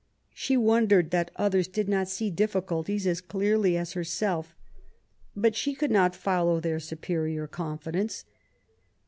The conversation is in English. She wondered that others did not see difficulties as clearly as herself; but she could not follow their superior confidence.